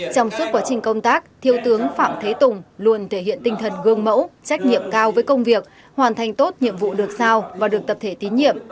trong suốt quá trình công tác thiếu tướng phạm thế tùng luôn thể hiện tinh thần gương mẫu trách nhiệm cao với công việc hoàn thành tốt nhiệm vụ được sao và được tập thể tín nhiệm